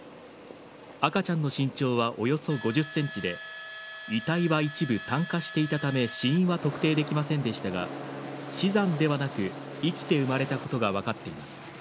赤ちゃんの身長はおよそ５０ｃｍで遺体は一部炭化していたため死因は特定できませんでしたが死産ではなく生きて産まれたことが分かっています。